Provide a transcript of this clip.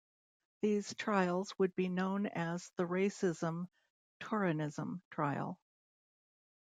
These trials would be known as the Racism-Turanism trial.